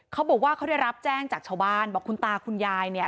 เขาบอกว่าเขาได้รับแจ้งจากชาวบ้านบอกคุณตาคุณยายเนี่ย